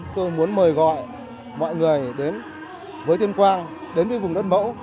tôi muốn mời gọi mọi người đến với tuyên quang đến với vùng đất mẫu